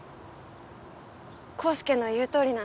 康祐の言うとおりなんだ